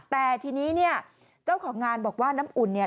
แต่ทีนี้เจ้าของงานบอกว่าน้ำอุ่น